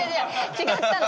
違ったの！